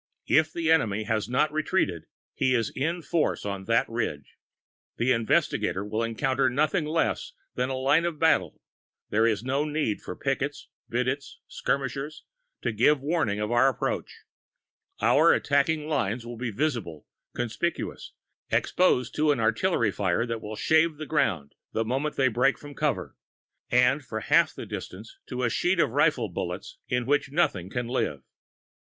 If the enemy has not retreated, he is in force on that ridge. The investigator will encounter nothing less than a line of battle; there is no need of pickets, videttes, skirmishers, to give warning of our approach; our attacking lines will be visible, conspicuous, exposed to an artillery fire that will shave the ground the moment they break from cover, and for half the distance to a sheet of rifle bullets in which nothing can live.